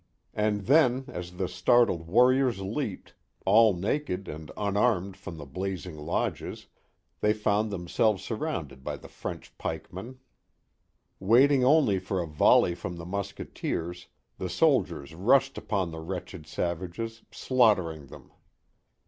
And then, as the startled warriors leaped, all naked and unarmed from the blazing lodges, they found themselves surrounded by the French pikemen. Waiting only for a volley from the musketeers, the soldiers rushed upon the wretched savages, slaughtering them.